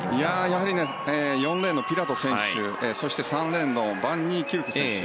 やはり４レーンのピラト選手そして、３レーンのバン・ニーキルク選手